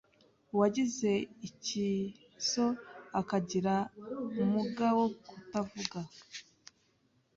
Uwagize ikiazo akagira uumuga wo kutavuga